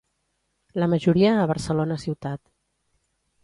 La majoria a Barcelona ciutat.